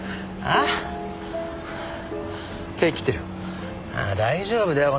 ああ大丈夫だよ